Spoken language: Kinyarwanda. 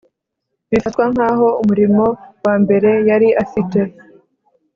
bifatwa nk aho umurimo wa mbere yari afite